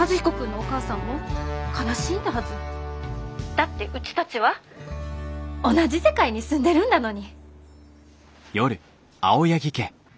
☎だってうちたちは同じ世界に住んでるんだのに。